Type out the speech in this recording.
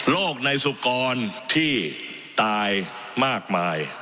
โลกในสุกรณ์ที่ตายมากมาย